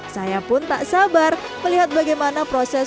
saya pun tak sabar melihat bagaimana proses